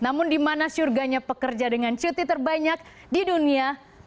namun di mana surganya pekerja dengan cuti terbanyak di dunia